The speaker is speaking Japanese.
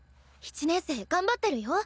１年生頑張ってるよ？